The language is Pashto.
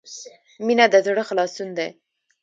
• مینه د زړۀ خلاصون دی.